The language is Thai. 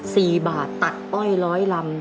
สี่บาทตัดอ้อยร้อยลำ